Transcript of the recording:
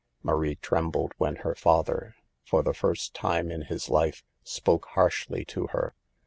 Marie trembled when her father, for the first time in his life, spoke harshly to her.